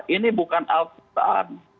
ini bukan alasan